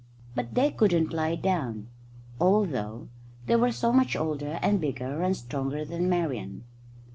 But they couldn't lie down, although they were so much older and bigger and stronger than Marian.